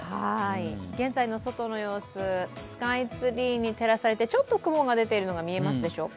現在の外の様子、スカイツリーに照らされてちょっと雲が出ているのが見えますでしょうか。